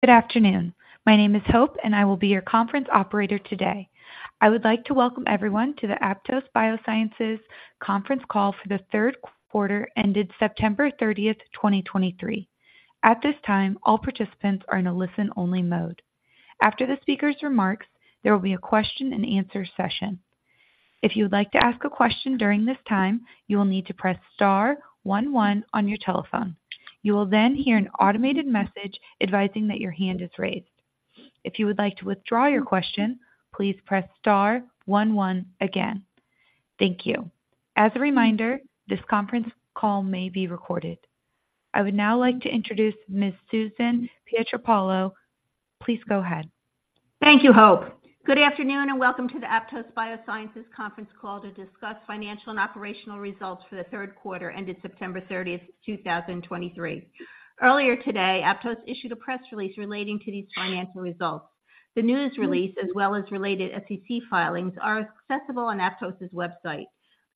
Good afternoon. My name is Hope, and I will be your conference operator today. I would like to welcome everyone to the Aptose Biosciences conference call for the third quarter ended September 30th, 2023. At this time, all participants are in a listen-only mode. After the speaker's remarks, there will be a question and answer session. If you would like to ask a question during this time, you will need to press star one one on your telephone. You will then hear an automated message advising that your hand is raised. If you would like to withdraw your question, please press star one one again. Thank you. As a reminder, this conference call may be recorded. I would now like to introduce Ms. Susan Pietropaolo. Please go ahead. Thank you, Hope. Good afternoon, and welcome to the Aptose Biosciences conference call to discuss financial and operational results for the third quarter ended September 30th, 2023. Earlier today, Aptose issued a press release relating to these financial results. The news release, as well as related SEC filings, are accessible on Aptose's website.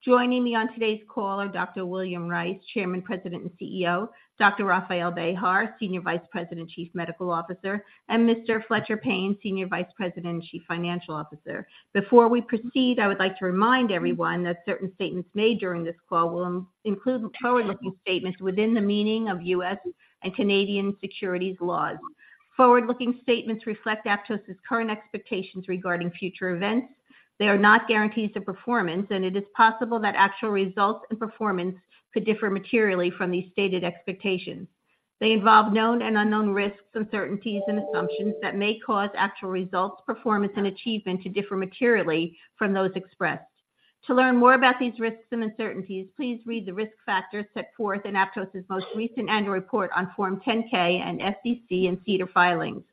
Joining me on today's call are Dr. William Rice, Chairman, President, and CEO; Dr. Rafael Bejar, Senior Vice President and Chief Medical Officer; and Mr. Fletcher Payne, Senior Vice President and Chief Financial Officer. Before we proceed, I would like to remind everyone that certain statements made during this call will include forward-looking statements within the meaning of U.S. and Canadian securities laws. Forward-looking statements reflect Aptose's current expectations regarding future events. They are not guarantees of performance, and it is possible that actual results and performance could differ materially from these stated expectations. They involve known and unknown risks, uncertainties, and assumptions that may cause actual results, performance, and achievement to differ materially from those expressed. To learn more about these risks and uncertainties, please read the risk factors set forth in Aptose's most recent annual report on Form 10-K and SEC and SEDAR filings.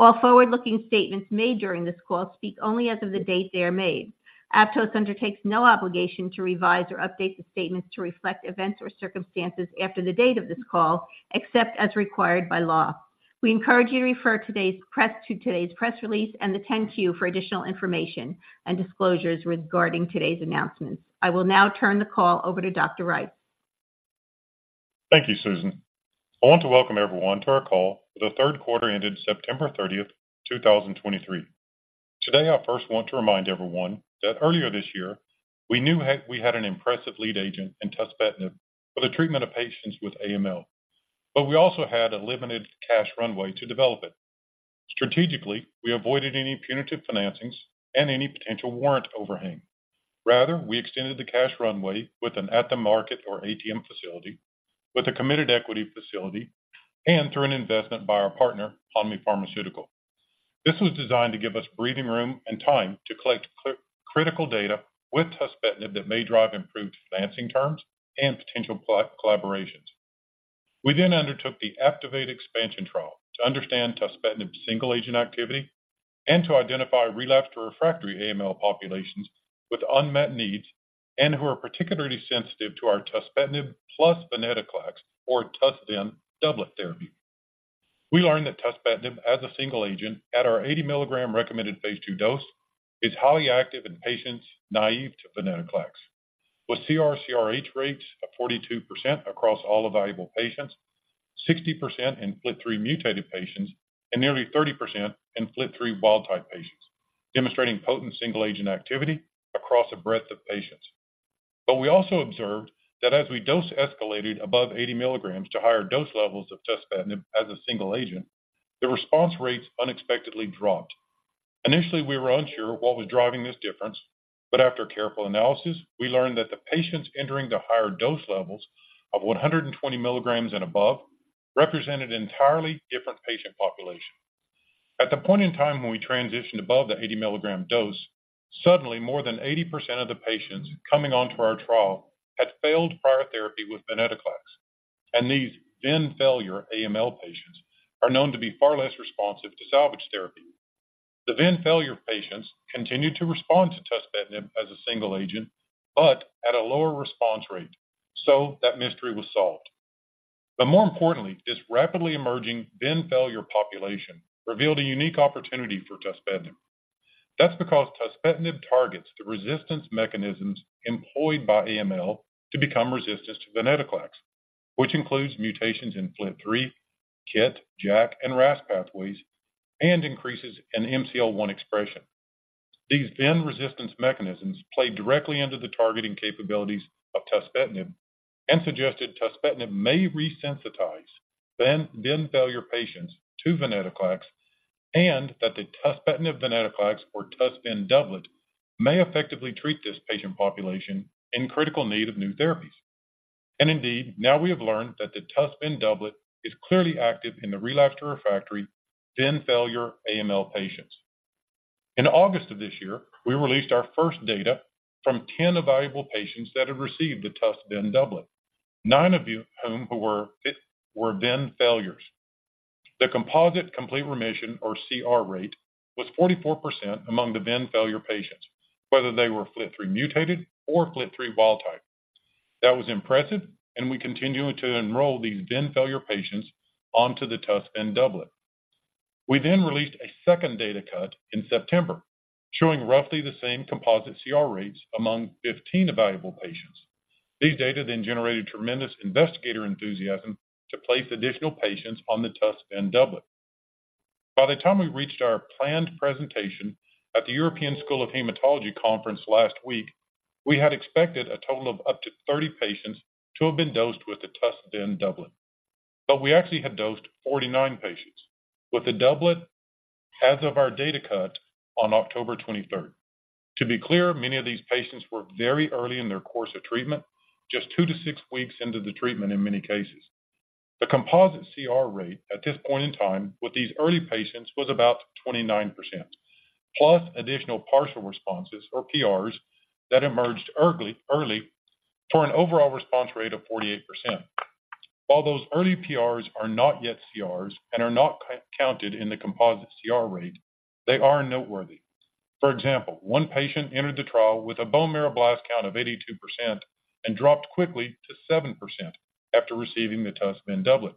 All forward-looking statements made during this call speak only as of the date they are made. Aptose undertakes no obligation to revise or update the statements to reflect events or circumstances after the date of this call, except as required by law. We encourage you to refer to today's press release and the 10-Q for additional information and disclosures regarding today's announcements. I will now turn the call over to Dr. Rice. Thank you, Susan. I want to welcome everyone to our call for the third quarter ended September 30th, 2023. Today, I first want to remind everyone that earlier this year, we knew we had an impressive lead agent in tuspetinib for the treatment of patients with AML, but we also had a limited cash runway to develop it. Strategically, we avoided any punitive financings and any potential warrant overhang. Rather, we extended the cash runway with an at-the-market or ATM facility, with a committed equity facility, and through an investment by our partner, Hanmi Pharmaceutical. This was designed to give us breathing room and time to collect critical data with tuspetinib that may drive improved financing terms and potential collaborations. We then undertook the APTIVATE expansion trial to understand tuspetinib's single-agent activity and to identify relapsed or refractory AML populations with unmet needs and who are particularly sensitive to our tuspetinib plus venetoclax, or TUS+VEN Doublet Therapy. We learned that tuspetinib, as a single agent at our 80 mg recommended phase II dose, is highly active in patients naive to venetoclax, with CR/CRh rates of 42% across all evaluable patients, 60% in FLT3-mutated patients, and nearly 30% in FLT3 wild-type patients, demonstrating potent single-agent activity across a breadth of patients. But we also observed that as we dose escalated above 80 mg to higher dose levels of tuspetinib as a single agent, the response rates unexpectedly dropped. Initially, we were unsure what was driving this difference, but after careful analysis, we learned that the patients entering the higher dose levels of 120 mg and above represented an entirely different patient population. At the point in time when we transitioned above the 80 mg dose, suddenly more than 80% of the patients coming onto our trial had failed prior therapy with venetoclax, and these VEN failure AML patients are known to be far less responsive to salvage therapy. The VEN failure patients continued to respond to tuspetinib as a single agent, but at a lower response rate, so that mystery was solved. But more importantly, this rapidly emerging VEN failure population revealed a unique opportunity for tuspetinib. That's because tuspetinib targets the resistance mechanisms employed by AML to become resistant to venetoclax, which includes mutations in FLT3, KIT, JAK, and RAS pathways, and increases in MCL1 expression. These VEN resistance mechanisms play directly into the targeting capabilities of tuspetinib and suggested tuspetinib may resensitize VEN, VEN failure patients to venetoclax, and that the tuspetinib-venetoclax, or TUS+VEN Doublet may effectively treat this patient population in critical need of new therapies. And indeed, now we have learned that the TUS+VEN Doublet is clearly active in the relapsed or refractory VEN failure AML patients. In August of this year, we released our first data from 10 evaluable patients that had received the TUS+VEN Doublet, nine of whom were VEN failures. The composite complete remission, or CR rate, was 44% among the VEN failure patients, whether they were FLT3 mutated or FLT3 wild type. That was impressive, and we continue to enroll these VEN failure patients onto the TUS+VEN Doublet. We then released a second data cut in September, showing roughly the same composite CR rates among 15 evaluable patients.... These data then generated tremendous investigator enthusiasm to place additional patients on the TUS+VEN Doublet By the time we reached our planned presentation at the European School of Hematology conference last week, we had expected a total of up to 30 patients to have been dosed with the TUS+VEN Doublet, but we actually had dosed 49 patients with the doublet as of our data cut on 23rd October. To be clear, many of these patients were very early in their course of treatment, just two to six weeks into the treatment in many cases. The composite CR rate at this point in time with these early patients was about 29%, plus additional partial responses, or PRs, that emerged early for an overall response rate of 48%. While those early PRs are not yet CRs and are not counted in the composite CR rate, they are noteworthy. For example, one patient entered the trial with a bone marrow blast count of 82% and dropped quickly to 7% after receiving the TUS+VEN Doublet.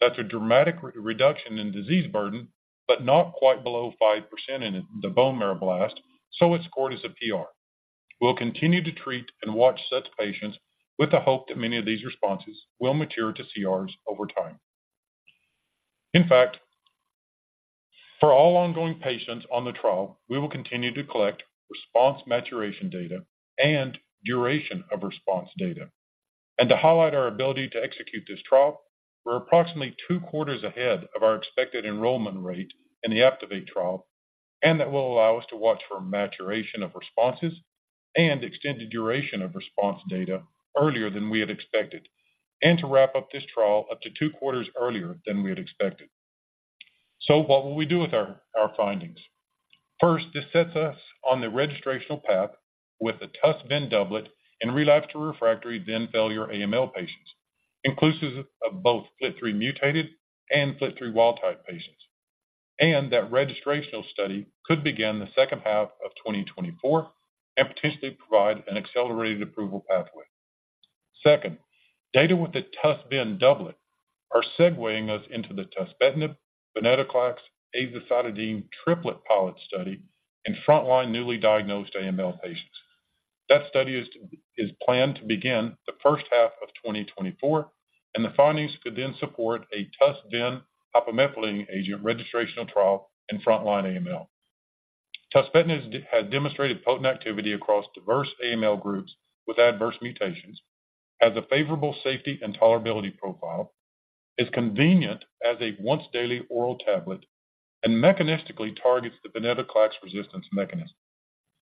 That's a dramatic re-reduction in disease burden, but not quite below 5% in the bone marrow blast, so it's scored as a PR. We'll continue to treat and watch such patients with the hope that many of these responses will mature to CRs over time. In fact, for all ongoing patients on the trial, we will continue to collect response maturation data and duration of response data. To highlight our ability to execute this trial, we're approximately two quarters ahead of our expected enrollment rate in the APTIVATE trial, and that will allow us to watch for maturation of responses and extended duration of response data earlier than we had expected, and to wrap up this trial up to two quarters earlier than we had expected. So what will we do with our findings? First, this sets us on the registrational path with the TUS+VEN Doublet in relapsed/refractory VEN failure AML patients, inclusive of both FLT3-mutated and FLT3 wild-type patients. That registrational study could begin the second half of 2024 and potentially provide an accelerated approval pathway. Second, data with the TUS+VEN Doublet are segueing us into the tuspetinib, venetoclax, azacitidine triplet pilot study in frontline newly diagnosed AML patients. That study is planned to begin the first half of 2024, and the findings could then support a TUS+VEN hypomethylating agent registrational trial in frontline AML. Tuspetinib has demonstrated potent activity across diverse AML groups with adverse mutations, has a favorable safety and tolerability profile, is convenient as a once-daily oral tablet, and mechanistically targets the venetoclax resistance mechanism.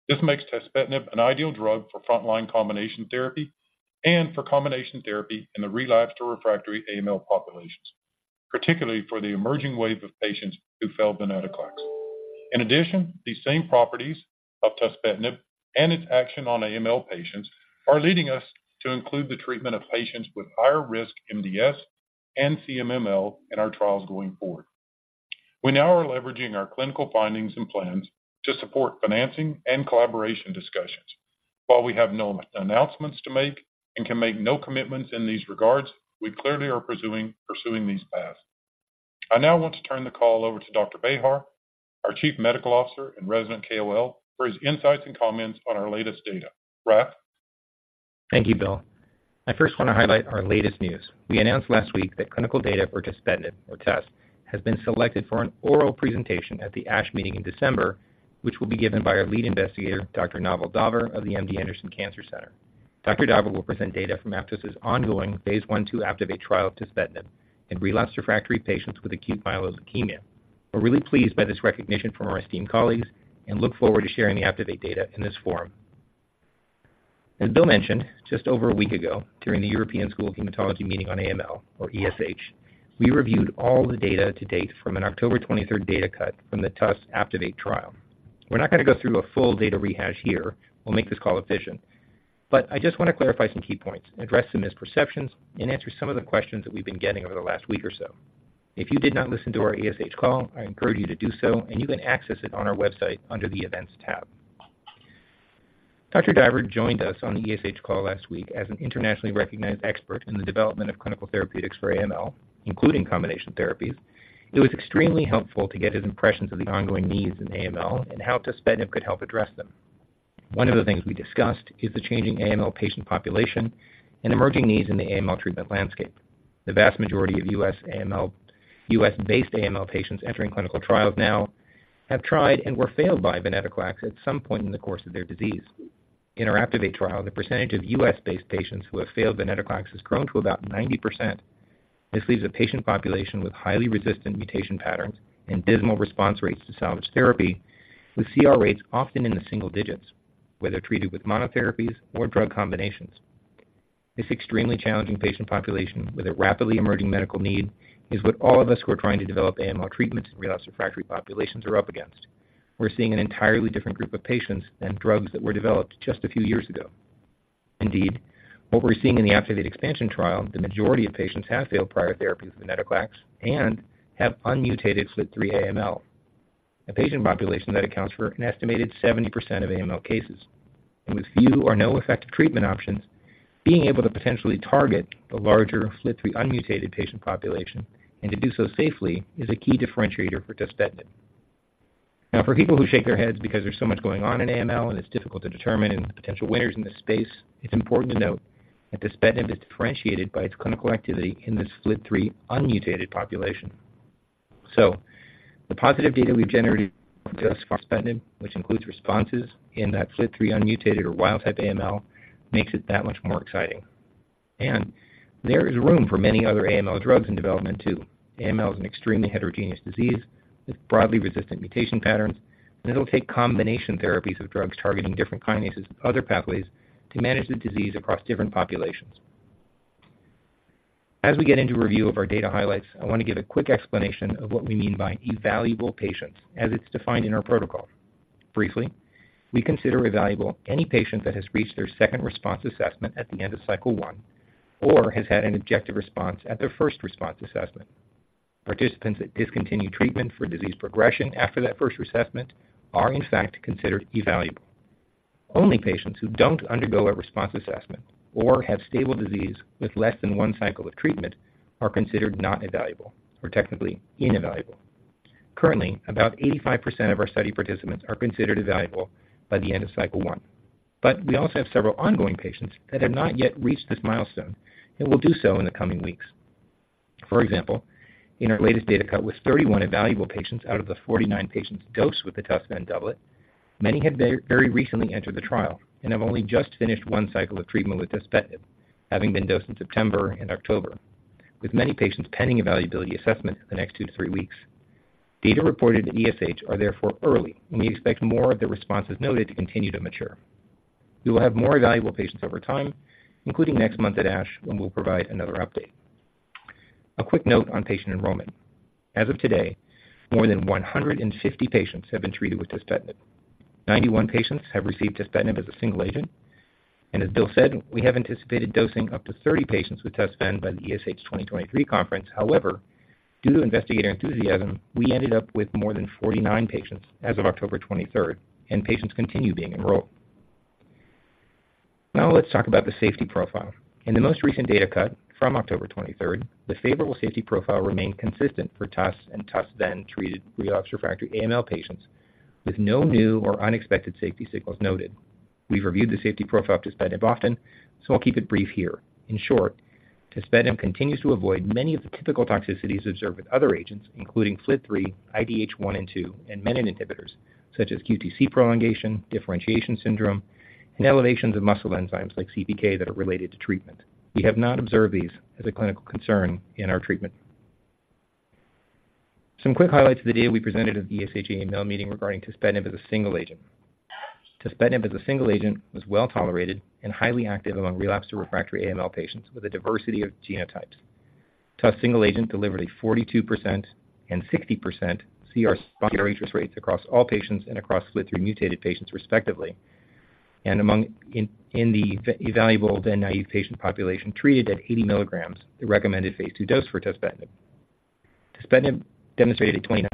This makes tuspetinib an ideal drug for frontline combination therapy and for combination therapy in the relapsed or refractory AML populations, particularly for the emerging wave of patients who fail venetoclax. In addition, these same properties of tuspetinib and its action on AML patients are leading us to include the treatment of patients with higher risk MDS and CMML in our trials going forward. We now are leveraging our clinical findings and plans to support financing and collaboration discussions. While we have no announcements to make and can make no commitments in these regards, we clearly are pursuing these paths. I now want to turn the call over to Dr. Bejar, our Chief Medical Officer and resident KOL, for his insights and comments on our latest data. Raf? Thank you, Bill. I first want to highlight our latest news. We announced last week that clinical data for tuspetinib, or TUS, has been selected for an oral presentation at the ASH meeting in December, which will be given by our lead investigator, Dr. Naval Daver of the MD Anderson Cancer Center. Dr. Daver will present data from Aptose's ongoing phase I/II APTIVATE trial of tuspetinib in relapsed/refractory patients with acute myeloid leukemia. We're really pleased by this recognition from our esteemed colleagues and look forward to sharing the APTIVATE data in this forum. As Bill mentioned, just over a week ago, during the European School of Hematology meeting on AML, or ESH, we reviewed all the data to date from an 23rd October data cut from the TUS APTIVATE trial. We're not going to go through a full data rehash here. We'll make this call efficient. I just want to clarify some key points, address some misperceptions, and answer some of the questions that we've been getting over the last week or so. If you did not listen to our ESH call, I encourage you to do so, and you can access it on our website under the Events tab. Dr. Daver joined us on the ESH call last week as an internationally recognized expert in the development of clinical therapeutics for AML, including combination therapies. It was extremely helpful to get his impressions of the ongoing needs in AML and how tuspetinib could help address them. One of the things we discussed is the changing AML patient population and emerging needs in the AML treatment landscape. The vast majority of U.S.-based AML patients entering clinical trials now have tried and were failed by venetoclax at some point in the course of their disease. In our APTIVATE trial, the percentage of U.S.-based patients who have failed venetoclax has grown to about 90%. This leaves a patient population with highly resistant mutation patterns and dismal response rates to salvage therapy, with CR rates often in the single digits, whether treated with monotherapies or drug combinations. This extremely challenging patient population with a rapidly emerging medical need is what all of us who are trying to develop AML treatments in relapsed refractory populations are up against. We're seeing an entirely different group of patients than drugs that were developed just a few years ago. Indeed, what we're seeing in the APTIVATE expansion trial, the majority of patients have failed prior therapies with venetoclax and have unmutated FLT3 AML, a patient population that accounts for an estimated 70% of AML cases. With few or no effective treatment options, being able to potentially target the larger FLT3 unmutated patient population, and to do so safely, is a key differentiator for tuspetinib.... Now, for people who shake their heads because there's so much going on in AML and it's difficult to determine the potential winners in this space, it's important to note that tuspetinib is differentiated by its clinical activity in this FLT3-unmutated population. So the positive data we've generated for tuspetinib, which includes responses in that FLT3-unmutated or wild-type AML, makes it that much more exciting. And there is room for many other AML drugs in development, too. AML is an extremely heterogeneous disease with broadly resistant mutation patterns, and it'll take combination therapies of drugs targeting different kinases and other pathways to manage the disease across different populations. As we get into a review of our data highlights, I want to give a quick explanation of what we mean by evaluable patients, as it's defined in our protocol. Briefly, we consider evaluable any patient that has reached their second response assessment at the end of cycle one or has had an objective response at their first response assessment. Participants that discontinue treatment for disease progression after that first assessment are, in fact, considered evaluable. Only patients who don't undergo a response assessment or have stable disease with less than one cycle of treatment are considered not evaluable, or technically, unevaluable. Currently, about 85% of our study participants are considered evaluable by the end of cycle one, but we also have several ongoing patients that have not yet reached this milestone and will do so in the coming weeks. For example, in our latest data cut with 31 evaluable patients out of the 49 patients dosed with the TUS+VEN Doublet, many have very recently entered the trial and have only just finished one cycle of treatment with tuspetinib, having been dosed in September and October, with many patients pending evaluability assessment in the next 2-3 weeks. Data reported to ESH are therefore early, and we expect more of the responses noted to continue to mature. We will have more evaluable patients over time, including next month at ASH, when we'll provide another update. A quick note on patient enrollment. As of today, more than 150 patients have been treated with tuspetinib. 91 patients have received tuspetinib as a single agent, and as Bill said, we have anticipated dosing up to 30 patients with tuspetinib by the ESH 2023 conference. However, due to investigator enthusiasm, we ended up with more than 49 patients as of 23rd October, and patients continue being enrolled. Now let's talk about the safety profile. In the most recent data cut from 23rd October, the favorable safety profile remained consistent for TUS and TUS+VEN-treated relapsed or refractory AML patients, with no new or unexpected safety signals noted. We've reviewed the safety profile of tuspetinib often, so I'll keep it brief here. In short, tuspetinib continues to avoid many of the typical toxicities observed with other agents, including FLT3, IDH1 and IDH2, and menin inhibitors, such as QTc prolongation, differentiation syndrome, and elevations of muscle enzymes like CPK that are related to treatment. We have not observed these as a clinical concern in our treatment. Some quick highlights of the data we presented at the ESH AML meeting regarding tuspetinib as a single agent. Tuspetinib as a single agent was well-tolerated and highly active among relapsed or refractory AML patients with a diversity of genotypes. TUS single agent delivered a 42% and 60% CR response rates across all patients and across FLT3-mutated patients, respectively, and among the evaluable VEN-naive patient population treated at 80 mg, the recommended phase 2 dose for tuspetinib. Tuspetinib demonstrated a 29%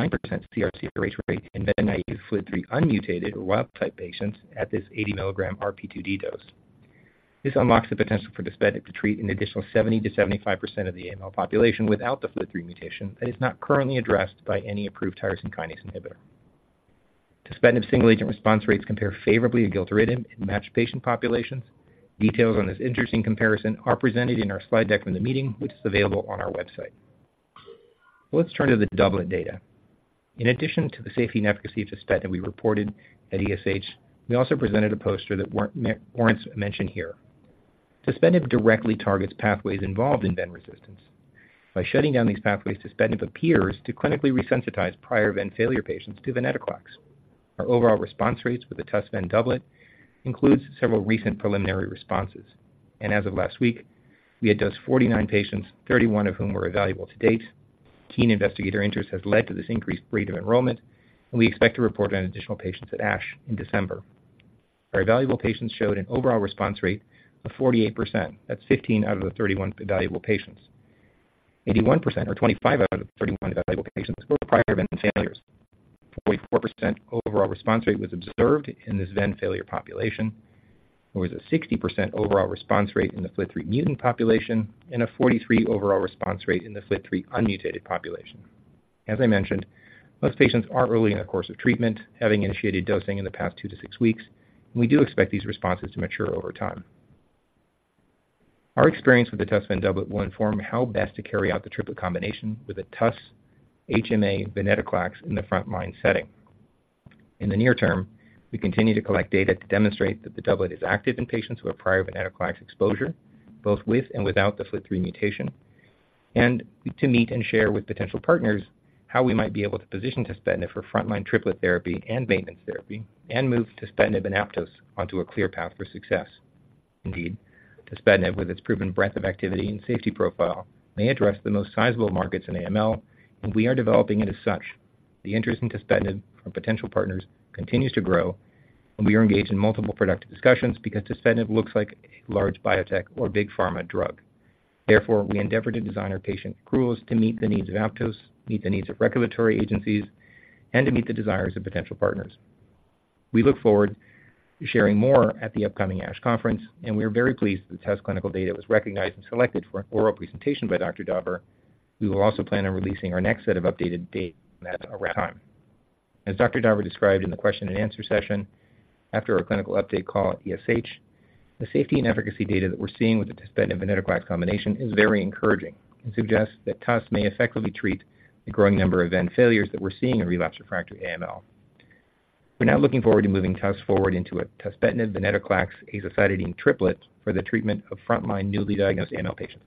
CR rate in VEN-naive FLT3-unmutated or wild type patients at this 80-mg RP2D dose. This unlocks the potential for tuspetinib to treat an additional 70%-75% of the AML population without the FLT3 mutation that is not currently addressed by any approved tyrosine kinase inhibitor. Tuspetinib single-agent response rates compare favorably to gilteritinib in matched patient populations. Details on this interesting comparison are presented in our slide deck from the meeting, which is available on our website. Let's turn to the doublet data. In addition to the safety and efficacy of tuspetinib we reported at ESH, we also presented a poster that warrants mention here. Tuspetinib directly targets pathways involved in VEN resistance. By shutting down these pathways, tuspetinib appears to clinically resensitize prior VEN failure patients to venetoclax. Our overall response rates with the TUS+VEN Doublet includes several recent preliminary responses, and as of last week, we had dosed 49 patients, 31 of whom were evaluable to date. Keen investigator interest has led to this increased rate of enrollment, and we expect to report on additional patients at ASH in December. Our evaluable patients showed an overall response rate of 48%. That's 15 out of the 31 evaluable patients. 81%, or 25 out of the 31 evaluable patients, were prior VEN failures. 44% overall response rate was observed in this VEN failure population. There was a 60% overall response rate in the FLT3 mutant population and a 43 overall response rate in the FLT3-unmutated population. As I mentioned, most patients are early in the course of treatment, having initiated dosing in the past two to six weeks, and we do expect these responses to mature over time. Our experience with the TUS+VEN Doublet will inform how best to carry out the triplet combination with a TUS+HMA+venetoclax in the frontline setting. In the near term, we continue to collect data to demonstrate that the doublet is active in patients who have prior venetoclax exposure, both with and without the FLT3 mutation, and to meet and share with potential partners how we might be able to position tuspetinib for frontline triplet therapy and maintenance therapy, and move tuspetinib and Aptose onto a clear path for success. Indeed, tuspetinib, with its proven breadth of activity and safety profile, may address the most sizable markets in AML, and we are developing it as such. The interest in tuspetinib from potential partners continues to grow, and we are engaged in multiple productive discussions because tuspetinib looks like a large biotech or big pharma drug. Therefore, we endeavor to design our patient accruals to meet the needs of Aptose, meet the needs of regulatory agencies, and to meet the desires of potential partners. We look forward to sharing more at the upcoming ASH conference, and we are very pleased that the test clinical data was recognized and selected for an oral presentation by Dr. Daver. We will also plan on releasing our next set of updated data at around time. As Dr. Daver described in the question and answer session, after our clinical update call at ESH, the safety and efficacy data that we're seeing with the tuspetinib and venetoclax combination is very encouraging and suggests that TUS may effectively treat the growing number of VEN failures that we're seeing in relapsed/refractory AML. We're now looking forward to moving TUS forward into a tuspetinib, venetoclax, azacitidine triplet for the treatment of frontline, newly diagnosed AML patients.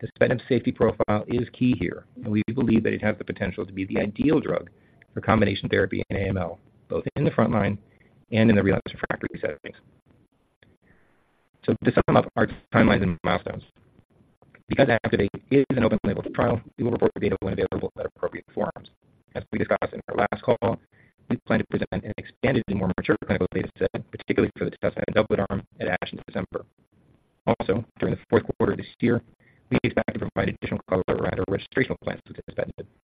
Tuspetinib safety profile is key here, and we believe that it has the potential to be the ideal drug for combination therapy in AML, both in the frontline and in the relapsed/refractory settings. So to sum up our timelines and milestones, because APTIVATE is an open-label trial, we will report the data when available at appropriate forums. As we discussed in our last call, we plan to present an expanded and more mature clinical data set, particularly for the tuspetinib doublet arm at ASH in December. Also, during the fourth quarter of this year, we expect to provide additional color around our registrational plans with tuspetinib. Also,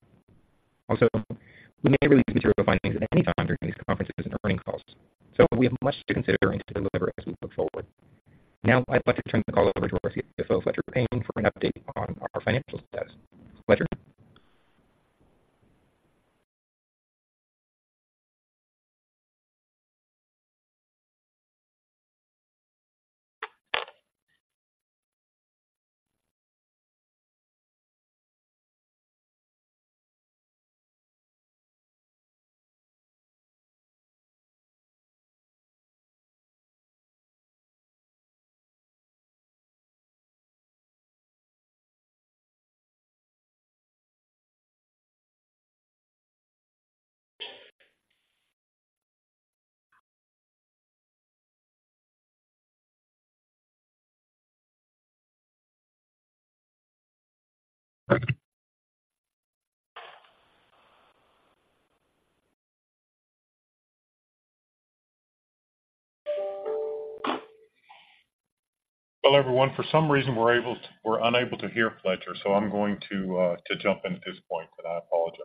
Well, everyone, for some reason, we're able-- we're unable to hear Fletcher, so I'm going to to jump in at this point, and I apologize.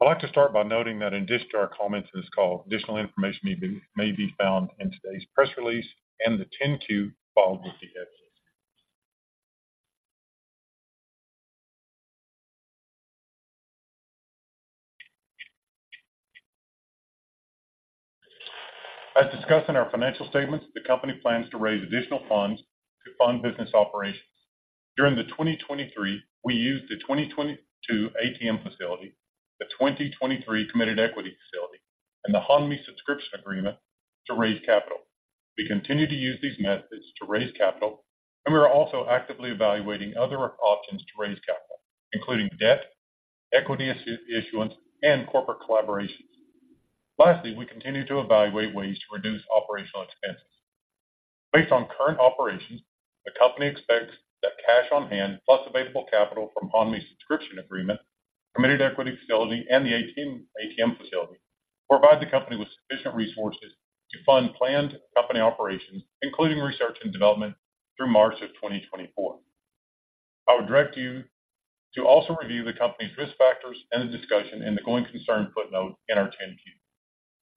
I'd like to start by noting that in addition to our comments in this call, additional information may be, may be found in today's press release and the 10-Q filed with the FDA. As discussed in our financial statements, the company plans to raise additional funds to fund business operations. During 2023, we used the 2022 ATM facility, the 2023 committed equity facility, and the Hanmi Subscription Agreement to raise capital. We continue to use these methods to raise capital, and we are also actively evaluating other options to raise capital, including debt, equity issuance, and corporate collaborations. Lastly, we continue to evaluate ways to reduce operational expenses. Based on current operations, the company expects that cash on hand, plus available capital from Hanmi Subscription Agreement, committed equity facility and the ATM facility, will provide the company with sufficient resources to fund planned company operations, including research and development, through March 2024. I would direct you to also review the company's risk factors and the discussion in the going concern footnote in our 10-K.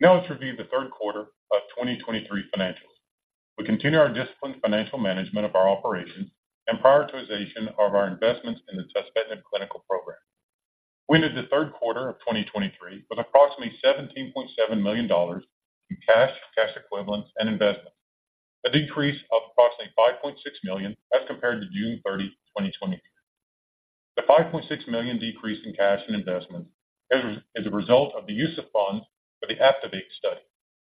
Now, let's review the third quarter of 2023 financials. We continue our disciplined financial management of our operations and prioritization of our investments in the tuspetinib clinical program. We ended the third quarter of 2023 with approximately $17.7 million in cash, cash equivalents and investments, a decrease of approximately $5.6 million as compared to June 30, 2022. The $5.6 million decrease in cash and investments is a result of the use of funds for the APTIVATE study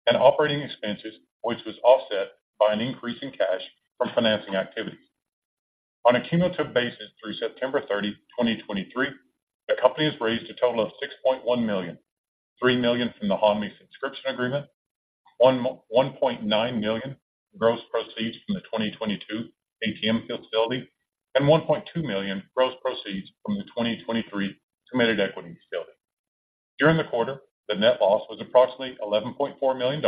and operating expenses, which was offset by an increase in cash from financing activities. On a cumulative basis, through September 30, 2023, the company has raised a total of $6.1 million, $3 million from the Hanmi Subscription Agreement, $1.9 million gross proceeds from the 2022 ATM facility, and $1.2 million gross proceeds from the 2023 committed equity facility. During the quarter, the net loss was approximately $11.4 million,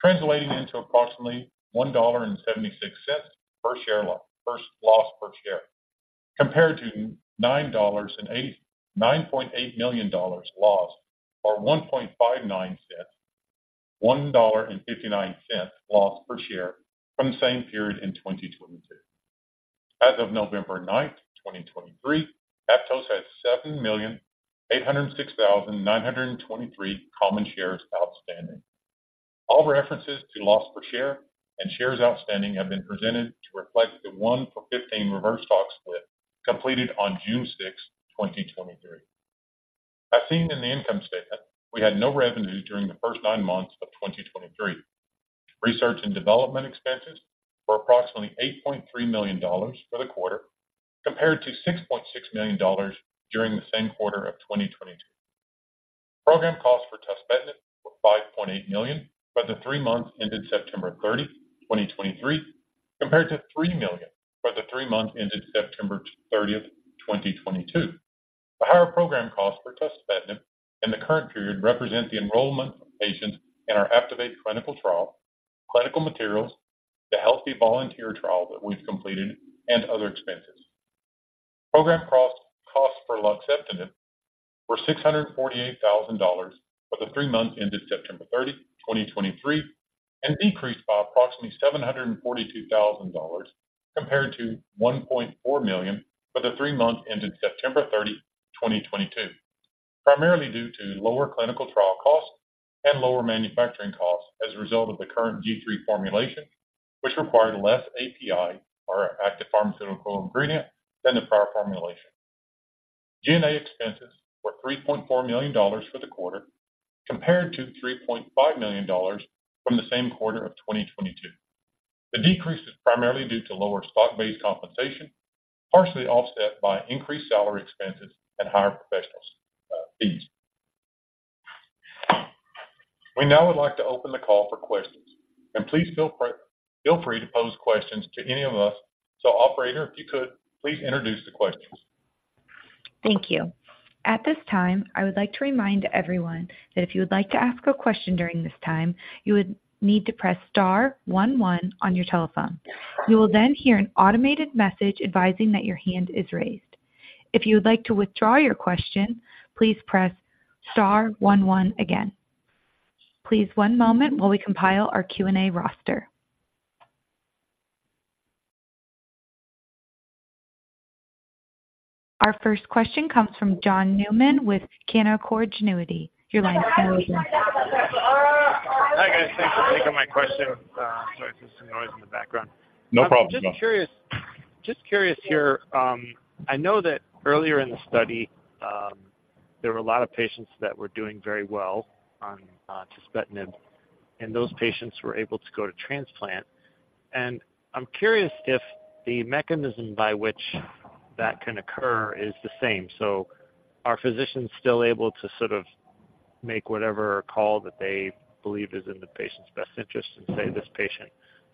translating into approximately $1.76 loss per share, compared to $9.8 million lost, or $1.59 loss per share from the same period in 2022. As of November 9th, 2023, Aptose has 7,806,923 common shares outstanding. All references to loss per share and shares outstanding have been presented to reflect the 1-for-15 Reverse Stock Split completed on June 6th, 2023. As seen in the income statement, we had no revenue during the first nine months of 2023. Research and development expenses were approximately $8.3 million for the quarter, compared to $6.6 million during the same quarter of 2022. Program costs for tuspetinib were $5.8 million for the three months ended September 30th, 2023, compared to $3 million for the three months ended September 30th, 2022. The higher program costs for tuspetinib in the current period represent the enrollment of patients in our APTIVATE clinical trial, clinical materials, the healthy volunteer trial that we've completed, and other expenses.... Program costs for luxeptinib were $648,000 for the three months ended September 30, 2023, and decreased by approximately $742,000 compared to $1.4 million for the three months ended September 30, 2022. Primarily due to lower clinical trial costs and lower manufacturing costs as a result of the current G3 formulation, which required less API, or active pharmaceutical ingredient, than the prior formulation. G&A expenses were $3.4 million for the quarter, compared to $3.5 million from the same quarter of 2022. The decrease is primarily due to lower stock-based compensation, partially offset by increased salary expenses and higher professional fees. We now would like to open the call for questions, and please feel free to pose questions to any of us. So operator, if you could, please introduce the questions. Thank you. At this time, I would like to remind everyone that if you would like to ask a question during this time, you would need to press star one one on your telephone. You will then hear an automated message advising that your hand is raised. If you would like to withdraw your question, please press star one one again. Please, one moment while we compile our Q&A roster. Our first question comes from John Newman with Canaccord Genuity. Your line is now open. Hi, guys. Thanks for taking my question. Sorry for some noise in the background. No problem, John. Just curious, just curious here. I know that earlier in the study, there were a lot of patients that were doing very well on tuspetinib, and those patients were able to go to transplant. I'm curious if the mechanism by which that can occur is the same. Are physicians still able to sort of make whatever call that they believe is in the patient's best interest and say this patient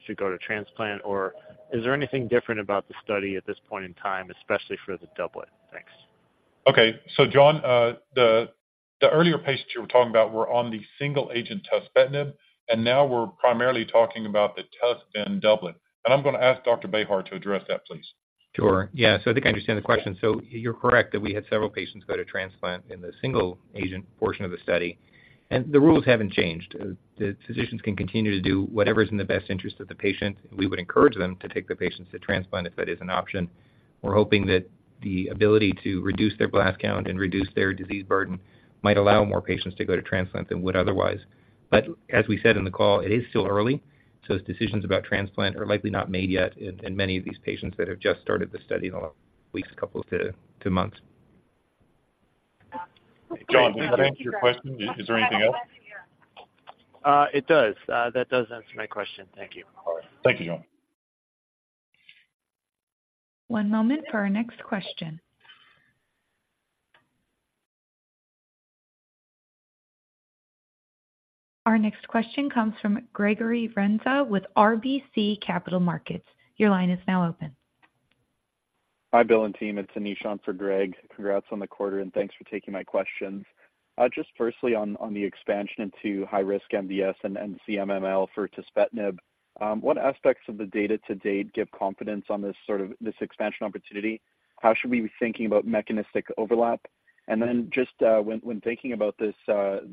should go to transplant, or is there anything different about the study at this point in time, especially for the doublet? Thanks. Okay, so John, the earlier patients you were talking about were on the single-agent tuspetinib, and now we're primarily talking about the tuspetinib doublet. I'm going to ask Dr. Bejar to address that, please. Sure. Yeah, so I think I understand the question. So you're correct that we had several patients go to transplant in the single-agent portion of the study, and the rules haven't changed. The physicians can continue to do whatever is in the best interest of the patient. We would encourage them to take the patients to transplant if that is an option. We're hoping that the ability to reduce their blast count and reduce their disease burden might allow more patients to go to transplant than would otherwise. But as we said in the call, it is still early, so decisions about transplant are likely not made yet in many of these patients that have just started the study in the last weeks, couple of months. John, does that answer your question? Is there anything else? It does. That does answer my question. Thank you. All right. Thank you, John. One moment for our next question. Our next question comes from Gregory Renza with RBC Capital Markets. Your line is now open. Hi, Bill and team. It's Anish on for Greg. Congrats on the quarter, and thanks for taking my questions. Just firstly on the expansion into high-risk MDS and CMML for tuspetinib, what aspects of the data to date give confidence on this sort of, this expansion opportunity? How should we be thinking about mechanistic overlap? And then just, when thinking about this,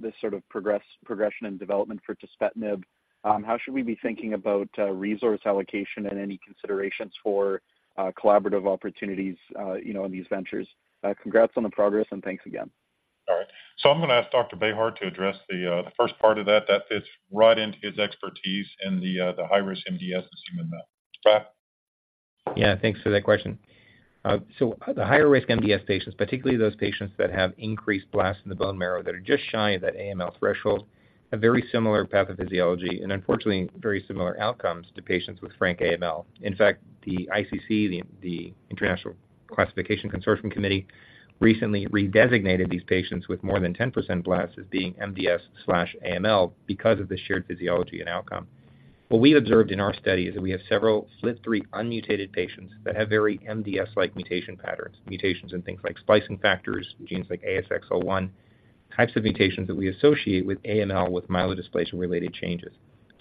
this sort of progression and development for tuspetinib, how should we be thinking about resource allocation and any considerations for collaborative opportunities, you know, in these ventures? Congrats on the progress, and thanks again. All right. So I'm going to ask Dr. Bejar to address the first part of that. That fits right into his expertise in the high-risk MDS and CMML. Go ahead. Yeah, thanks for that question. So the higher risk MDS patients, particularly those patients that have increased blasts in the bone marrow that are just shy of that AML threshold, have very similar pathophysiology and unfortunately, very similar outcomes to patients with frank AML. In fact, the ICC, the International Consensus Classification, recently redesignated these patients with more than 10% blasts as being MDS/AML because of the shared physiology and outcome. What we observed in our study is that we have several FLT3 unmutated patients that have very MDS-like mutation patterns, mutations in things like splicing factors, genes like ASXL1, types of mutations that we associate with AML with myelodysplasia-related changes.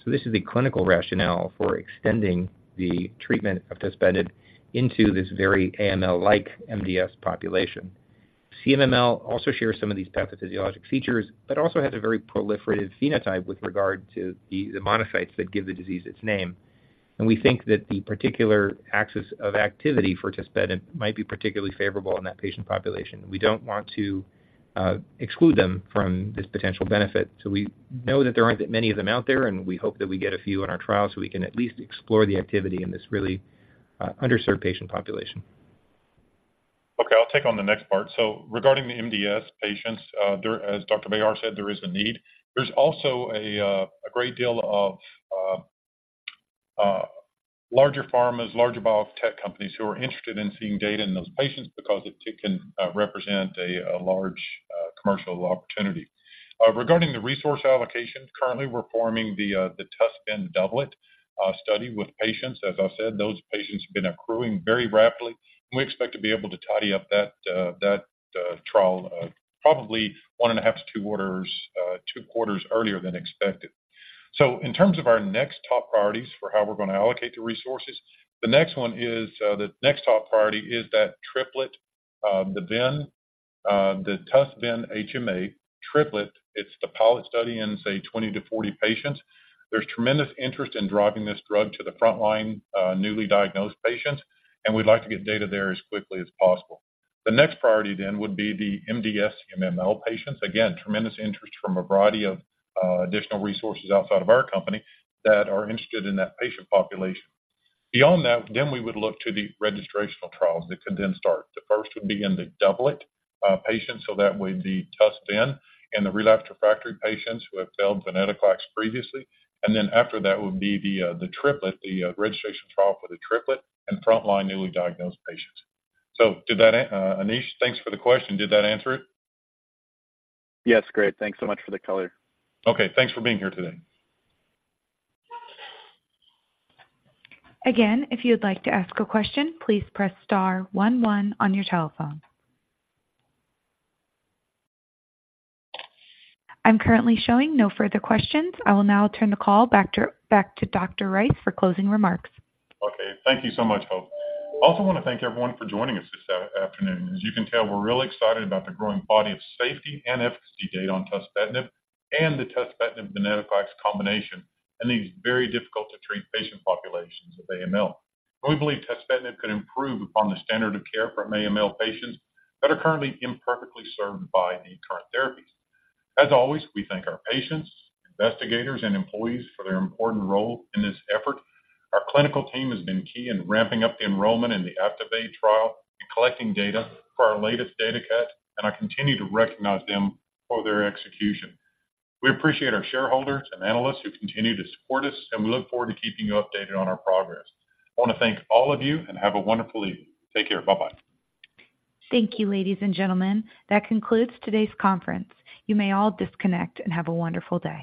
So this is the clinical rationale for extending the treatment of tuspetinib into this very AML-like MDS population. CMML also shares some of these pathophysiologic features, but also has a very proliferative phenotype with regard to the monocytes that give the disease its name. And we think that the particular axis of activity for tuspetinib might be particularly favorable in that patient population. We don't want to exclude them from this potential benefit. So we know that there aren't that many of them out there, and we hope that we get a few in our trial so we can at least explore the activity in this really underserved patient population. Okay, I'll take on the next part. So regarding the MDS patients, as Dr. Bejar said, there is a need. There's also a great deal of larger pharmas, larger biotech companies who are interested in seeing data in those patients because it can represent a large commercial opportunity. Regarding the resource allocation, currently we're forming the tuspetinib doublet study with patients. As I said, those patients have been accruing very rapidly, and we expect to be able to tidy up that trial probably 1.5-2 quarters earlier than expected. So in terms of our next top priorities for how we're going to allocate the resources, the next one is the next top priority is that triplet, the TUS+VEN+HMA triplet. It's the pilot study in, say, 20-40 patients. There's tremendous interest in driving this drug to the frontline newly diagnosed patients, and we'd like to get data there as quickly as possible. The next priority then would be the MDS/AML patients. Again, tremendous interest from a variety of additional resources outside of our company that are interested in that patient population. Beyond that, then we would look to the registrational trials that could then start. The first would be in the doublet patients, so that would be TUS+VEN and the relapsed refractory patients who have failed venetoclax previously. And then after that would be the triplet, the registration trial for the triplet and frontline newly diagnosed patients. So did that, Anish, thanks for the question. Did that answer it? Yes, great. Thanks so much for the color. Okay, thanks for being here today. Again, if you'd like to ask a question, please press star one one on your telephone. I'm currently showing no further questions. I will now turn the call back to, back to Dr. Rice for closing remarks. Okay, thank you so much, Hope. I also want to thank everyone for joining us this afternoon. As you can tell, we're really excited about the growing body of safety and efficacy data on tuspetinib and the tuspetinib venetoclax combination in these very difficult to treat patient populations with AML. We believe tuspetinib could improve upon the standard of care for AML patients that are currently imperfectly served by the current therapies. As always, we thank our patients, investigators, and employees for their important role in this effort. Our clinical team has been key in ramping up the enrollment in the APTIVATE trial and collecting data for our latest data cut, and I continue to recognize them for their execution. We appreciate our shareholders and analysts who continue to support us, and we look forward to keeping you updated on our progress. I want to thank all of you, and have a wonderful evening. Take care. Bye-bye. Thank you, ladies and gentlemen. That concludes today's conference. You may all disconnect and have a wonderful day.